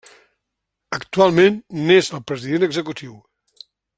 Actualment n'és el president executiu.